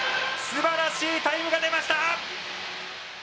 すばらしいタイムが出ました。